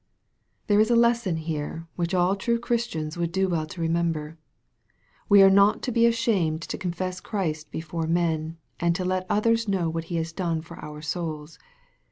There is a lesson here which all true Christians would do well to remember. We are not to be ashamed to confess Christ before men, and to let others know what He has done for our souls.